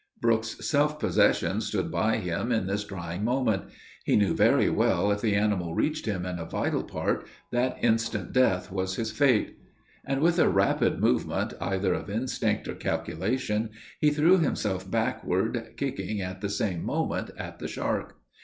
Brook's self possession stood by him in this trying moment. He knew very well if the animal reached him in a vital part, that instant death was his fate; and, with a rapid movement, either of instinct or calculation, he threw himself backward, kicking, at the same moment, at the shark.